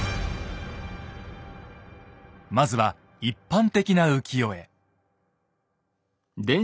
まずは一般的な浮世絵。